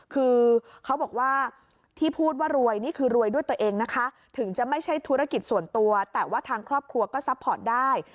คือเขาบอกว่าที่พูดว่ารวยนี่คือรวยด้วยตัวเองนะคะถึงจะไม่ใช่ธุรกิจส่วนตัวแต่ว่าทางครอบครัวก็ซัพพอร์ตได้